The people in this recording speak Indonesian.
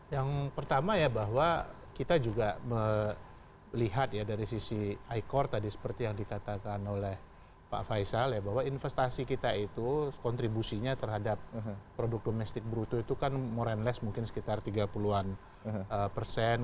yang pertama ya bahwa kita juga melihat ya dari sisi icord tadi seperti yang dikatakan oleh pak faisal ya bahwa investasi kita itu kontribusinya terhadap produk domestik bruto itu kan morenless mungkin sekitar tiga puluh an persen